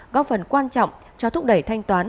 góp phần quan trọng cho thúc đẩy thanh toán